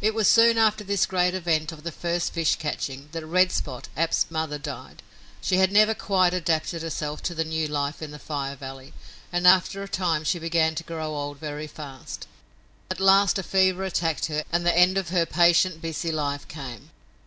It was soon after this great event of the first fish catching that Red Spot, Ab's mother, died. She had never quite adapted herself to the new life in the Fire Valley, and after a time she began to grow old very fast. At last a fever attacked her and the end of her patient, busy life came.